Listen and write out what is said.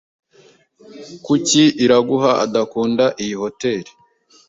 Kuki Iraguha adakunda iyi hoteri?